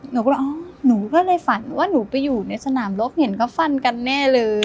หนูก็เลยอ๋อหนูก็เลยฝันว่าหนูไปอยู่ในสนามรบเห็นเขาฟันกันแน่เลย